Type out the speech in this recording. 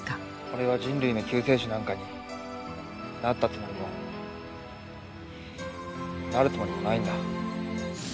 俺は人類の救世主なんかになったつもりもなるつもりもないんだ。